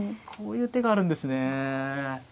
こういう手があるんですね。